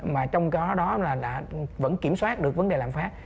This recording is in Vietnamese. mà trong đó là vẫn kiểm soát được vấn đề lạm phát